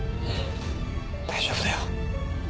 うん大丈夫だよ。